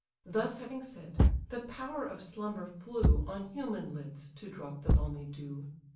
Thus having said, the power of slumber flew, On human lids to drop the balmy dew.